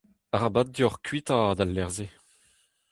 Arabat deoc'h kuitaat al lec'h-se.